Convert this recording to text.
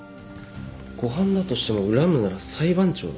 誤判だとしても恨むなら裁判長だ。